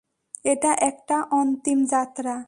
এটা একটা অন্তিম যাত্রা।